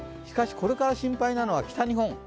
しかし、これから心配なのは北日本